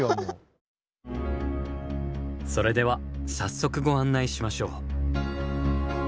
それでは早速ご案内しましょう。